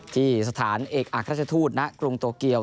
ที่สถานเอกอักราชทูตณกรุงโตเกียว